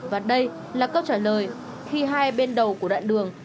và đây là câu trả lời khi hai bên đầu của đoạn đường